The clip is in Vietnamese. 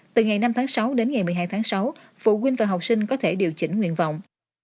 từ ngày năm tháng sáu đến ngày một mươi hai tháng sáu phụ huynh và học sinh có thể điều chỉnh nguyện vọng